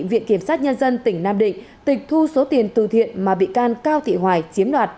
viện kiểm sát nhân dân tỉnh nam định tịch thu số tiền từ thiện mà bị can cao thị hoài chiếm đoạt